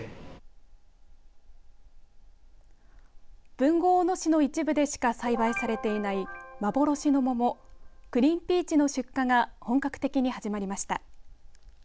豊後大野市の一部でしか栽培されていない幻の桃、クリーンピーチの出荷が本格的に始まりました。